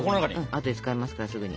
あとで使いますからすぐに。